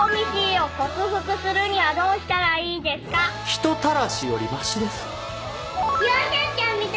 人たらしよりマシです。